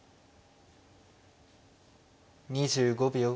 ２５秒。